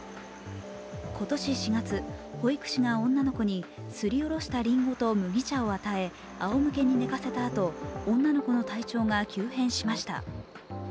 今年４月、保育士が女の子にすりおろしたりんごと麦茶を与え、あおむけに寝かせたあと、女の子の体調が急変しました。